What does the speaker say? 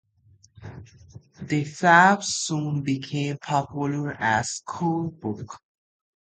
The fables soon became popular as a school-book.